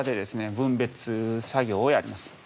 分別する作業をやります